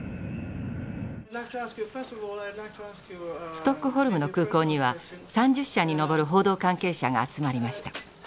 ストックホルムの空港には３０社に上る報道関係者が集まりました。